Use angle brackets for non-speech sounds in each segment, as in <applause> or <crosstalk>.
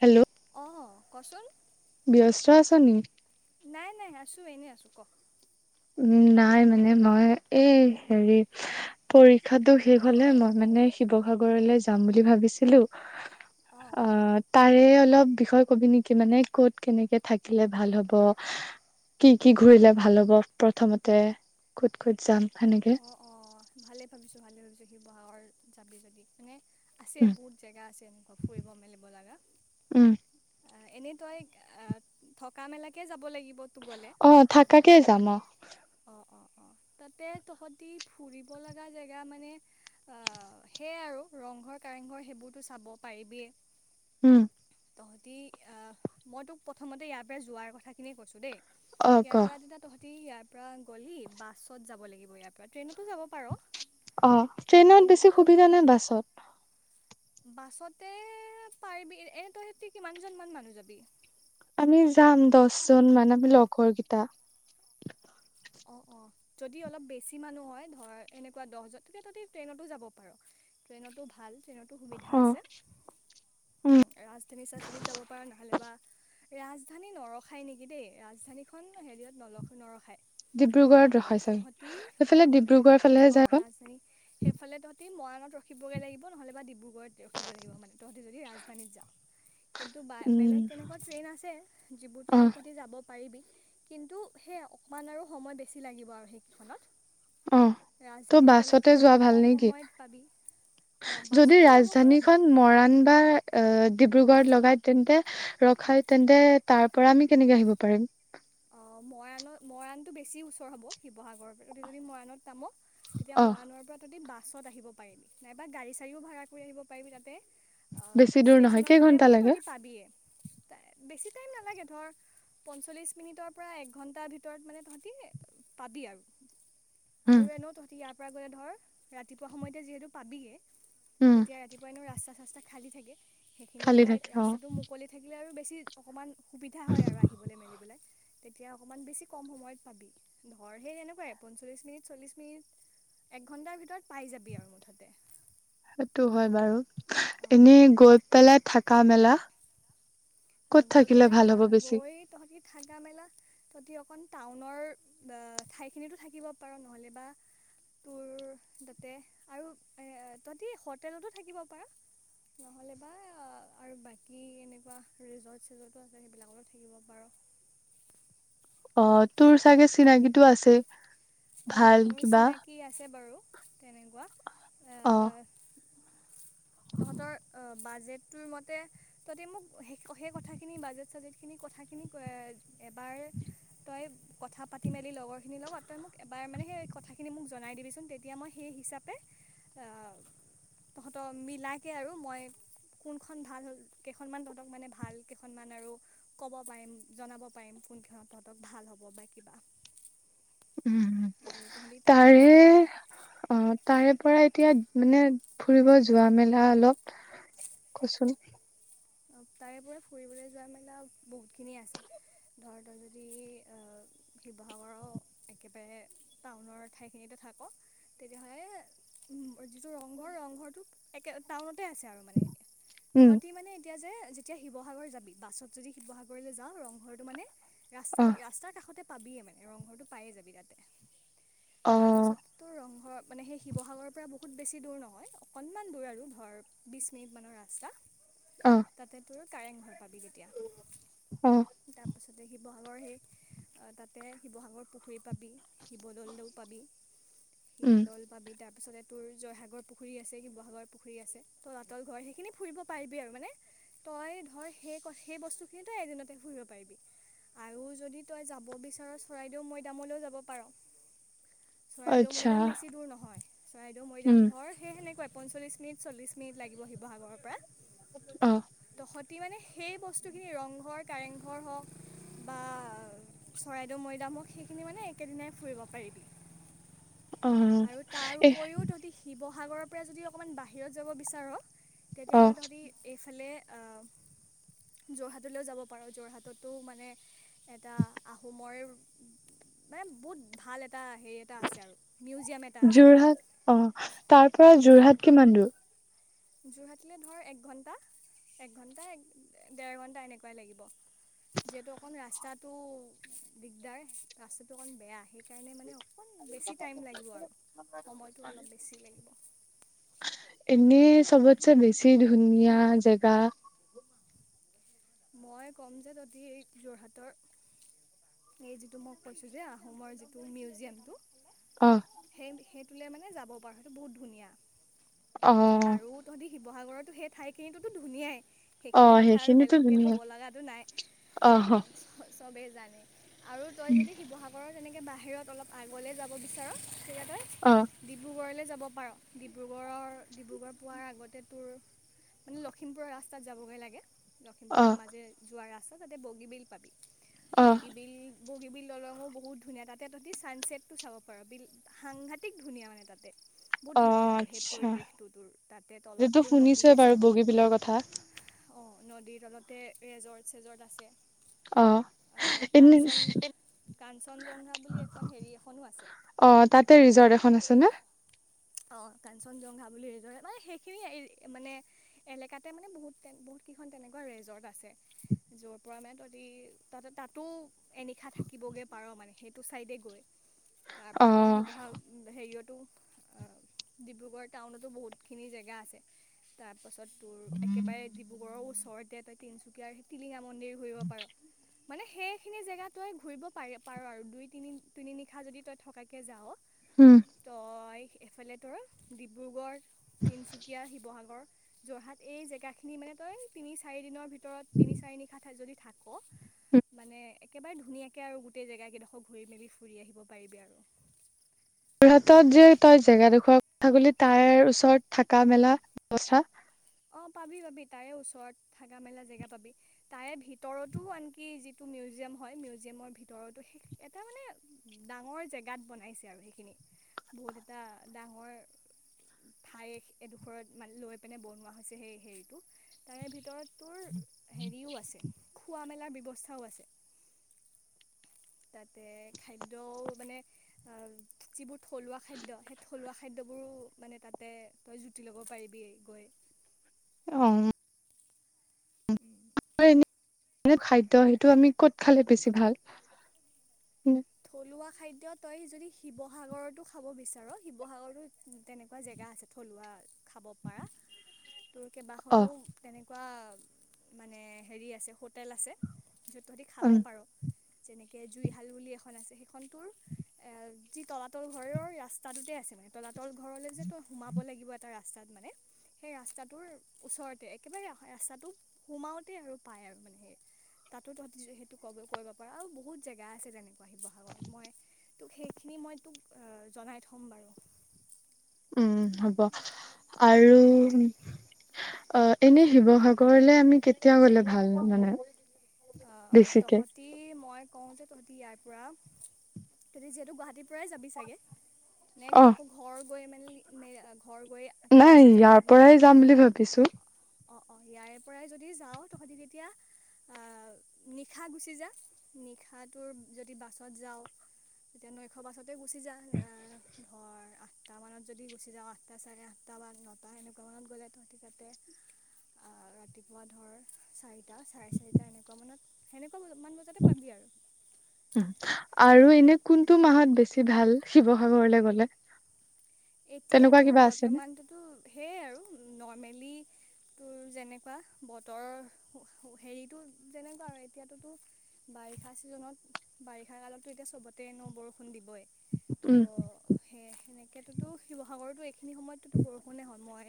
Hello. অ কচোন ব্যস্ত আছা নি? নাই নাই আছোঁ এনেই আছোঁ ক। উ নাই মানে মই এই হেৰি পৰীক্ষাটো শেষ হলে মই মানে শিৱসাগৰলে যাম বুলি ভাবিছিলো। অঁ অ তাৰে অলপ বিষয় কবি নেকি মানে ক'ত, কেনেকে থাকিলে ভাল হব, কি কি ঘূৰিলে ভাল হব। প্ৰথমতে ক'ত ক'ত যাম। সেনেকে অ অ ভালেই ভাবিছো ভালে ভাবিছো। শিৱসাগৰ জাবি যদি মানে। আছে উম বহুত জেগা আছে এনেকুৱা ফুৰিব মেলিব লগা। উম এনেই তই থকা মেলাকে যাব লাগিব। তো গ'লে অ থাকাকে যাম অ। অঁ অঁ অঁ তাতে তহঁতি ফুৰিব লগা জেগা মানে আ সেয়াই আৰু ৰংঘৰ, কাৰেংঘৰ সেইবোৰতো চাব পাৰিবিয়ে। উ',। তহঁতি অ', মই তোক প্ৰথমতে ইয়াৰ পৰা যোৱাৰ কথাখিনিয়ে কৈছোঁ দেই। অ ক ইয়াৰ পৰা যেতিয়া তহঁত তহঁতি ইয়াত। পৰা গ'লি বাছত যাব লাগিব ইয়াৰ পৰা ট্ৰেইনত অ', ট্ৰেইনত কিন্তু বেছি সুবিধা নে বাছত? বাছতে এএ', পাৰিবি এনে তইহেতি কিমানজন মান মানুহ যাবি? আমি যাম দহজন মান মোৰ লগৰ কেইটা অঁ', - অঁ', যদি অলপ বেছি মানুহ হয় ধৰ এনেকুৱা দহজন তেতিয়া তহঁতি ট্ৰেইনতো যাব পাৰ, ট্ৰেইনতো ভাল। ট্ৰেইনতো সুবিধা অ আছে, অ', ৰাজধানী, চাজধানী যাব পাৰা, নহ'লে বা ৰাজধানী নৰখায় নেকি দেই, ৰাজধানীখন হেৰিয়ত নলখ নৰখায়। ডিব্ৰুগড়ত ৰখাই শিৱসাগৰত, চাগে। তহঁতি এইফালে ডিব্ৰুগড় ফালেহে যায় খন আহ ৰাজধানী সেইফালে তহঁতি মৰাণত ৰখিবলৈগে লাগিব নহ'লে বা ডিব্ৰুগড়ত ৰখিব লাগিব মানে তহঁতি যদি ৰাজধানীত যায়। কিন্তু বাই বেলেগ উম, তেনেকুৱা ট্ৰেইন আছে, যিবোৰ অহ, ট্ৰেইনত তহঁতি যাব পাৰিবি। কিন্তু সেয়া অ', অকমান আৰু সময় বেছি লাগিব আৰু সেইকেইখনত। অ', ত', ৰাজধানীত গ'লে বাছতে তোৰ যোৱা অলপ ভাল কম নেকি? সময়ত পাবি অঁ যদি বাছতে যাব পাৰ ৰাজধানীখন মৰাণ বা অ ডি ডিব্ৰুগড়ত লগাই তেন্তে ৰখাই তেন্তে তাৰ পৰা আমি কেনেকে আহিব পাৰিম? অ', মৰাণৰ, মৰাণটো বেছি ওচৰ হ'ব শিৱ শিৱসাগৰ, তহঁতি যদি মৰাণত নামো, তেতিয়া অহ, মৰাণৰ পৰা তহঁতি বাহ', বাছত আহিব পাৰিবি নাইবা গাড়ী চাড়ীও ভাড়া কৰি আহিব পাৰিবি তাতে। অ', বেছি দূৰ নহয় ষ্টেচনৰ তাতে কেইঘন্টা মানে লাগে? তহঁতি পাবিয়ে, ত', বেছি টাইম নালাগে, ধৰ পঞ্চল্লিছ মিনিটৰ পৰা এক ঘণ্টাৰ ভিতৰত মানে তহঁতি অ', পাবি আৰু। উম, আৰু এনেও তহঁতি ইয়াৰ পৰা গু গৈ', ধৰ ৰাতিপুৱা সময়তে যিহেতু পাবিগে উম, তেতিয়া ৰাতিপুৱাই এনেও ৰাস্তা চাস্তা খা খালী থাকে। সেইখিনি খালী সময়ত থাকে অ'। ৰাস্তাটো মুকলি থাকিলে আৰু বেলে চিজ অকমান সুবিধা হয় আৰু আহিবলৈ মেলিবলৈ। তেতিয়া অকণমান বেছি কম সময়ত পাবি। ধৰ সেই তেনেকুৱাই পঞ্চল্লিছ মিনিট চল্লিছ মিনিট এক ঘণ্টাৰ ভিতৰত পাই যাবি আৰু মুঠতে। সেইটো হয় বাৰু, অঁ এনেই গৈ পেলাই থাকা মেলা? আ', ক'ত গৈ থাকিলে পেলাই ভাল থা হ'ব বেছি? গৈ তহঁতি থাকা মেলা তহঁতি অক অকণ টাউনৰ বা', ঠাইখিনিতো থাকিব পাৰ নহ'লে বা তোৰ তাতে আৰু এ তহঁতি হোটেলতো থাকিব পাৰ নহ'লে বা আৰু বাকী এনেকুৱা ৰিজৰ্ট চিজৰ্টটো আছে, সেইবিলাকতো থাকিব পাৰ অ তোৰ চাগে চিনাকিটো আছেই? অ ভাল মোৰ কিবা চিনাকি আছে বাৰু। তেনেকুৱা আহঁ তহতৰ বাজেট। তোৰ মতে ততে মোক সে সেই কথাখিনি বাজেট চাজেট খিনি কথা খিনি কৈ। এবাৰ তই। কথা পাতি মেলি লগৰখিনিৰ লগ তই মোক এবাৰ মানে সেই কথাখিনি মোক জনাই দিবিচোন তেতিয়া মই সেই হিচাপে তহঁতৰ মিলাকে আৰু মই কোনখন ভাল হ'ল কেইখনমান তহঁতক মানে ভাল কেইখনমান আৰু ক'ব পাৰিম জনাব পাৰিম কোন কেইখনত তহঁতক ভাল হ'ব বা কিবা। উম আৰু তহঁতি তাৰে পৰা অ তাৰে পৰাই। তিয়াত মানে ফুৰিব যোৱা মেলা অলপ কচোন। তাৰে পৰা ফুৰিবলৈ যোৱা মেলা বহুতখিনিয়ে আছে। ধৰ তই যদি শিৱসাগৰৰ একেবাৰে টাউনৰ ঠাইখিনিতে থাক তেতিয়াহ'লে যিটো ৰংঘৰ ৰংঘৰটো একে টাউনতে আছে আৰু মানে। উম, তহঁতি মানে। যে যেতিয়া শিৱসাগৰ যাবি বাছত যদি শিৱসাগৰলৈ যাওঁ ৰংঘৰটো মানে ৰাস্তাতে অহ, ৰাস্তাৰ কাষতে পাবিয়ে মানে ৰংঘৰটো পায়ে যাবি তাতে। অ', তাৰপাছততো ৰংঘৰ। মানে সেই শিৱসাগৰৰ পৰা বহুত বেছি দূৰ নহয় অকণমান দূৰ আৰু ধৰ বিছ মিনিটমানৰ ৰাস্তা। অ তাতে তোৰ কাৰেংঘৰ পাবি তেতিয়া অ', তাৰ পাছত তাতে শিৱসাগৰ সেই তাতে শিৱসাগৰ পুখুৰী পাবি, শিৱদলউ পাবি। উম, শিৱদল পাবি তাত। পিছতে তোৰ জয়সাগৰ পুখুৰী আছে, শিৱসাগৰ পুখুৰী আছে, তলাতল ঘৰ সেইখিনি ফুৰিব পাৰিবি আৰু মানে। তই ধৰ সেই সেই বস্তুখিনি তই এদিনতে ফুৰিব পাৰিবি আৰু যদি তই যাব বিচাৰ চৰাইদেউ মৈদামলৈও যাব পাৰ। চৰাইদেউ আচ্ছা, মৈদাম বেছি দূৰ নহয় চৰাইদেউ উম, মৈদাম ধৰ সেই সেনেকুৱাই পঞ্চলিছ মিনিট চল্লিছ মিনিট লাগিব শিৱসাগৰৰ পৰা অ'। সতি মানে সেই বস্তুখিনি ৰংঘৰ কাৰেংঘৰ হওঁক বা চৰাইদেউ মৈদাম হওঁক, সেইখিনি মানে একেদিনাই ফুৰিব পাৰিবি। অ' এ সাগৰৰ পৰা যদি অকণমান বাহিৰত যাব বিচাৰ' অ', তেতিয়াহ'লে তহঁতি এ লে আ যোৰহাটলৈ যাব পাৰ'যোৰহাটতো এটা আহোমৰ মানে বহুত ভাল এটা এটা হে এটা আছে আৰু মিউজিয়াম এটা আছে। যোৰহাট অ', তাৰ পৰা যোৰহাট কিমান দূৰ? যোৰহাটলৈ ধৰ এক ঘণ্টা, এক ঘণ্টা, ডেৰ ঘণ্টা এনেকুৱাই লাগিব। যিহেতু অকণ ৰাস্তাটো দিগদাৰ, ৰাস্তাটো অকণ বেয়া সেইকাৰণে মানে অকণ বেছি টাইম লাগিব আৰু সময়টো অলপ বেছি লাগিব এনে চবতছে বেছি ধুনীয়া জেগা মই ক'ম যে তহঁতি যোৰহাটৰ এই যিটো মই কৈছো যে আহোমৰ যিটো মিউজিয়ামটো অহ, সেই সেই মানে যাব পাৰ সেইটো বহুত ধুনীয়া। অহ। ব'হাগতো সেই ঠাইখিনিতো ধুনীয়াই। সেইখিনি অ', কথা আৰু সেইখিনিতো বেলেগ ত' ক'ব ধুনীয়া লগাতো নাই অহ, চবেই জানে। আৰু তই যদি শিৱসাগৰত তেনেকৈ বাহিৰত অলপ আগলে যাব বিচাৰা তেতিয়া তই অ', ডিব্ৰুগড়লৈ যাবি। কব পাৰ ডিব্ৰুগড়, ডিব্ৰুগড় পোৱাৰ আগতে তোৰ মানে লখিমপুৰৰ ৰাস্তাত যাবগৈ লাগে। এইবোৰ অ', ধেমাজি যোৱাৰ অ' তাতে বগী বিল পাবি। অ', বগীবিল। বগীবল দলঙো বহুত ধুনীয়া তাতে তহঁতি ছানচছেটটো চাব পাৰ। বগীবিল সাংঘাতিক ধুনীয়া মানে তাতে বহুত অ', ধুনীয়া আৰু সেই আচ্ছা পৰিৱেশটো তোৰ তাতে তলত এইটো তোৰ নদী শুনিছোৱে বাৰু আছে বগীবিলৰ কথা অ'। নদীৰ তলতে ৰেজৰ্ট-চেজৰ্ট অ', আছে। এনে কাঞ্চন, কাঞ্চনজংঘা বুলি এখন হেৰি এখনো আছে। অ', তাতে ৰিজৰ্ট এখন আছে নে? অ' কাঞ্চনজংঘা বুলি ৰেজৰ্ট মানে সেইখিনি মানে এলেকাতে মানে বহুত বহুত কেইখন তেনেকুৱা ৰেজৰ্ট আছে য'ৰ পৰা মানে তহঁতি তাতো এনিশা থাকিবগৈ পাৰ মানে সেইটো চাইডে গৈ। তাৰ পৰা ধৰা অ', শিৱসাগৰ হেৰিয়তো অ' ডিব্ৰুগড় টাউনতো বহুতখিনি জেগা আছে তাৰ। তাৰ পাছত তোৰ একেবাৰে ডিব্ৰুগড়ৰ ওচৰত। এতিয়া তই তিনিচুকীয়া তিলিঙা। মন্দিৰ ঘূৰিব পাৰ। মানে, সেইখিনি জেগা তই ঘূৰিব পাৰি পাৰ আৰু দুই তিনি তিনি নিশা যদি তই থকাকে যাৱ। হম। এফালেতৰ ডিব্ৰুগড়। তিনচুকীয়া শিৱসাগৰ। যোৰহাটত এই জেগা খিনি মানে তই তিনি চাৰি দিনৰ ভিতৰত, তিনি চাৰি নিশা যদি থাক। ক মানে। একেবাৰে ধুনীয়াকৈ আৰু গোটেই জেগাকেইডোখৰ ঘূৰি মেলি ফুৰি আহিব পাৰিবি আৰু। যোৰহাটত যে তই জেগা দেখুৱায় কথা ক'ল তাইৰ ওচৰত থকা মেলা ব্যৱস্থা <unintelligible> অঁ পাবি পাবি তাৰে ওচৰত থাকা মেলা জেগা পাবি। তাৰে ভিতৰতো আনকি যিটো মিউজিয়াম হয়, মিউজিয়ামৰ ভিতৰতো সেই এটা মানে ডাঙৰ জেগাত বনাইছে আৰু সেইখিনি, বহুত এটা ডাঙৰ ঠাই এডোখৰত মান লৈ পেলাই বনোৱা। হৈছে সেই হেৰিটো তাৰে ভিতৰত তোৰ হেৰিও আছে খোৱা মেলা বি অৱস্থাও আছে তাতে খাদ্যও মানে, যিবোৰ থলুৱা খাদ্য, সেই থলুৱা খাদ্যবোৰো মানে তাতে তই জুতি ল'ব পাৰিবি গৈ। অ। এনে খাদ্য সেইটো আমি কত খালে বেছি ভাল? থলুৱা খাদ্য তই যদি শিৱসাগৰতো খাব বিচাৰ, শিৱসাগৰতো তেনেকুৱা জেগা আছে থলুৱা খাব পাৰা। তোৰ অ কেইবাখনো তেনেকুৱা। মানে হেৰি আছে হোটেল আছে। সেইটোদি খাব উম পাৰ। যেনেকে জুইশাল বুলি এখ আছে সেইখন টোৰ এ যি তলাতল ঘৰৰ ৰাস্তাটোতে আছে মানে তলাতল তলাতল ঘৰলে যে তো সোমাব লাগিব এটা ৰাস্তাত মানে, সেই ৰাস্তাটোৰ ওচৰতে একেবাৰে ৰাস্তাটো সোমাওঁতে আৰু পায় আৰু। মানে তাতো তহঁ সেইটো ক কৰিব পাৰ, আৰু বহুত জেগা আছে তেনেকৈ। শিৱসাগত মই তোক সেইখিনি মই তোক জনাই থ'ম বাৰু। উম হ'ব আৰু অ এনেই শিৱসাগৰলে আমি কেতিয়া গলে ভাল মানে? অ বেছিকে তহঁতি, মই কওঁ যে তহঁতি ইয়াৰ পৰা তহঁতি যিহেতু গুৱাহাটীৰ পৰাই যাবি চাগে? নে অ আকৌ ঘৰ গৈ মেল ম অ নাই ইয়াৰ পৰাই যাম বুলি ভাবিছো। অ অ ইয়াৰে পৰাই যদি যাওঁ, তহতি তেতিয়া আহ নিশা গুচি যা নিশাটোৰ যদি বাছত যাওঁ, তেতিয়া নৈশ বাছতে গুচি যায় আহ ধৰ আঠটা মানত যদি গুচি যাওঁ আঠটা চাৰে আঠটা বা নটা এনেকুৱা মানত গৈ যায় তহতি তাতে ৰাতিপুৱা ধৰ চাৰিটা চাৰে চাৰিটা এনেকুৱা মানত সেনেকুৱা মান বজাতে পাবি আৰু। উ আৰু এনে কোনটো মাহত বেছি ভাল শিৱসাগৰলে গলে। তেনেকুৱা এতিয়াতো কিবা আছেনে বৰ্তমানটোতো সেইয আৰু ন মেলি তোৰ যেনেকুৱা বতৰ, হেৰিটো যেনেকুৱা আৰু এতিয়াতোতো বাৰিষা ছিজনত বাৰিষা কালততো এতিয়া চবতে ন বৰষুণ দিবই। উম। সেয় সেনেকে কিন্তু শিৱসাগৰতো এইখিনি সময়ততো বৰষুণে হয়'। মই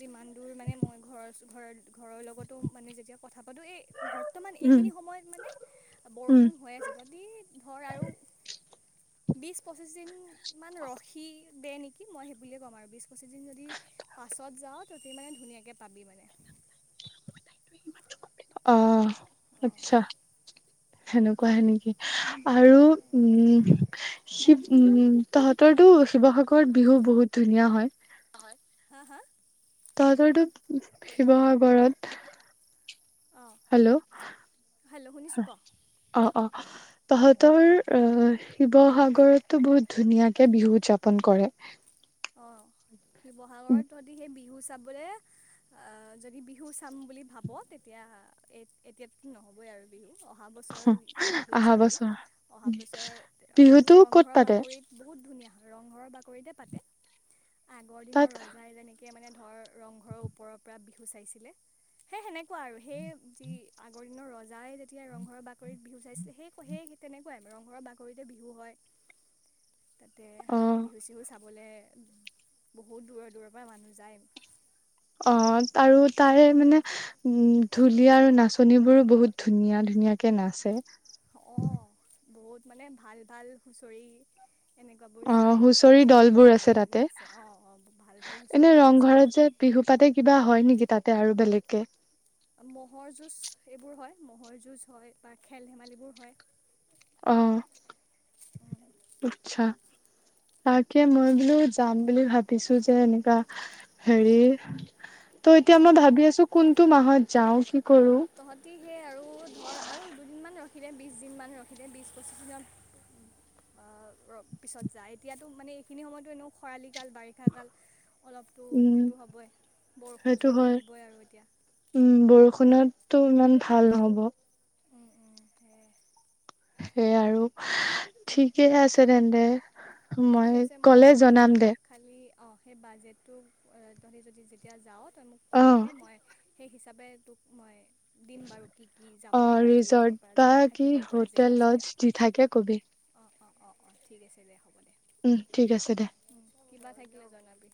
যিমান দূৰ মানে মই ঘৰৰ ঘৰৰ ঘৰৰ লগতো মানে যেতিয়া কথা পাতোঁ এই বৰ্তমান উম এইখিনি সময়ত মানে উম বৰষুণ হৈ আছে। যদি ধৰ আৰু বিছ পঁচিছ দিনমান ৰখি দে নেকি মই সেই বুলিয়ে ক'ম আৰু বিশছ পঁচিছ দিন যদি পাছত যাও, ততি মানে ধুনীয়াকৈ পাবি মানে। অ অঁ আচ্ছা। সেনেকুৱাহে নেকি? আৰু তে উম শিৱ উম তহঁতৰতো শিৱসাগৰত বিহু বহুত ধুনীয়া হয় হয় হা হা তহততো শিৱসাগৰত অঁ হেল্ল' হেল্ল' শুনিছোঁ হয় ক অ অ তাহতৰ আহ শিৱসাগৰতো বহুত ধুনীয়াকে বিহু উদযাৰপন কৰে অঁ শিৱসাগৰ তহতি সেই বিহু চিহু চাবলৈ অ যদি বিহু চাম বুলি ভাব তেতিয়া এ এতিয়াতো নহ'বই আৰু বিহু অঁ অহা বছৰ বিহুত অহা যাওঁৱেই বছৰ অহা বছৰ বিহুতো মানে ক'ত ৰংঘৰৰ পাতে বাকৰিত বহুত ধুনীয়া ৰংঘৰৰ বা- কৰিতে পাতে আগৰ দিনৰ তাত ৰজাই যে যেনেকে মানে ধৰ ৰংঘৰৰ ওপৰৰ পৰা বিহু চাইছিলে সেই সেনে কোৱা আৰু সেই যি আগৰ দিনৰ ৰজাই যেতিয়া ৰংঘৰৰ বাকৰিত বিহু চাইছিল সেই সেই তেনেকুৱাই ৰংঘৰৰ বাকৰিতে বিহু হয় তাতে অ বিহু চিহু চাব বোলে বহুত দূৰৰ দূৰৰ পৰা মানুহ যায় অ আৰু তাৰে মানে উ ধুলীয়া আৰু নাচনী বোৰো বহুত ধুনীয়া ধুনীয়াকে নাচে অঁ বহুত মানে ভাল ভাল হুঁচৰি এনেকুৱাবোৰ অ যায় হুঁচৰি তাতে দল বোৰ গৈ আছে মেলি তাতে নাচে অঁ অঁ ভাল ভাল হুঁচৰি এনে দল আছে ৰংঘৰত যে বিহু পাতে কিবা হয় নেকি তাত এতিয়া আৰু বেলেগকে ম'হৰ যুঁজ এইবোৰ হয় ম'হৰ যুঁজ হয় বা খেল ধেমালিবোৰ হয় আহ আচ্ছা তাকে মই বোলো যাম বুলি ভাবিছো যে এনেকা হেৰি ত' এতিয়া মই অঁ অঁ ভাবি আছো কোনটো মাহত যাওঁ কি কৰো তহঁতি সে আৰু ধৰ আৰু দুদিন মান ৰখিদে বিছ দিনমান ৰখিলে বিছ পঁচিছ দিনত অ পিছত যায় এতিয়াতো মানে এইখিনি সময়তো এনেও খৰালি কাল বাৰিষা কাল অলপতো উম সেইটো হ'বই, বৰষুণ সেইটো চৰষুণ হয় দিবই আৰু এতিয়া। ত ইমান ভাল নহ'ব। সেয়াই সেইয়া আৰু ঠিকেই আছে তেন্তে মই কলে জনাম দে অ সেই বাজেটটো তহঁতি যদি যেতিয়া যাওঁ তই মোক কৈ অ থবি মই সেই হিচাপে তোক মই দিম বাৰু কি কি যাব অ পৰা হেৰি কৰিব ৰিজৰ্ট পৰা বা জেগা কি থাকিব পৰা হোটেল জেগা লজ চেগা যি থাকে কবি অ অ অ অ ঠিক আছে দে হ'ব দে উম ঠিক আছে দে কিবা থাকিলে জনাবি